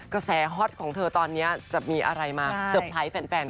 กระแสฮอตของเธอตอนนี้จะมีอะไรมาเซอร์ไพรส์แฟน